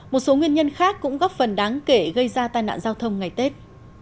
một số nguyên nhân khác cũng góp phần đáng kể gây ra tai nạn giao thông ngày tết